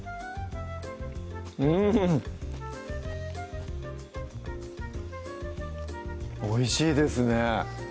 うんおいしいですね